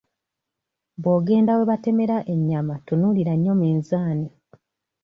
Bw'ogenda we batemera ennyama tunuulira nnyo minzaani.